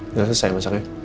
udah selesai masaknya